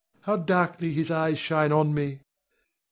How darkly his eyes shine on me!